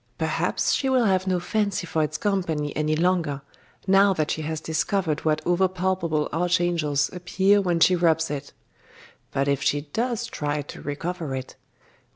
Perhaps she will have no fancy for its company any longer, now that she has discovered what over palpable archangels appear when she rubs it. But if she does try to recover it....